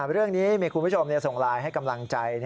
เรื่องนี้มีคุณผู้ชมส่งไลน์ให้กำลังใจ